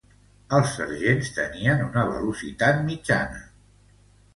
Els sergents tenien una velocitat mitjana.